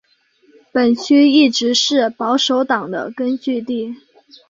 本区一直是保守党的根据地。